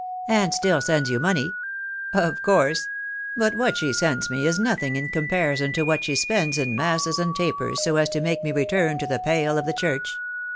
And still sends you money?" Of course ! But what she sends me is nothing in com parison to what she spends in masses and tapers so as to make me return to the pale of the church."